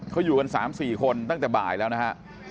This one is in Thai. เขาอยู่กัน๓๔คนตั้งแต่บ่ายแล้วนะฮะ